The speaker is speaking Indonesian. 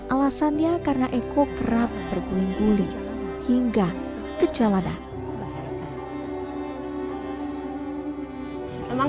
alasannya karena eko kerap berguling guling hingga ke jalanan